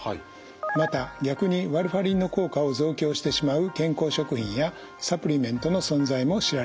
また逆にワルファリンの効果を増強してしまう健康食品やサプリメントの存在も知られています。